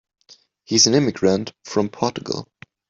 He's an immigrant from Portugal.